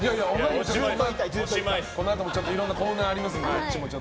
このあともいろんなコーナーありますので。